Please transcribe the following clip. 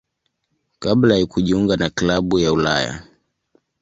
kabla ya kujiunga na klabu ya Ulaya.